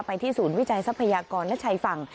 ที่ศูนย์วิจัยทรัพยากรและชายฝั่ง